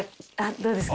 どうですか？